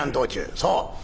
「そう。